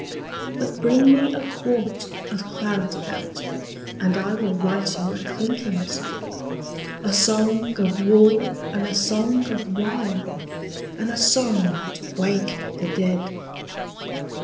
But bring me a quart of claret out, And I will write you a clinking song, A song of war and a song of wine And a song to wake the dead.